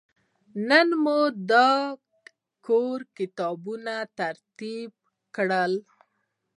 نن مې د کور کتابونه ترتیب کړل.